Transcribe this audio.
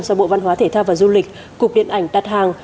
do bộ văn hóa thể thao và du lịch cục điện ảnh đặt hàng